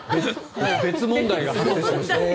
別問題が発生しました。